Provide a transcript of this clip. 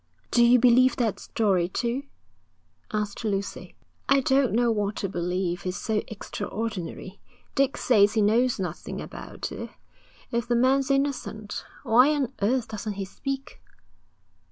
'Do you believe that story, too?' asked Lucy. 'I don't know what to believe. It's so extraordinary. Dick says he knows nothing about it. If the man's innocent, why on earth doesn't he speak?'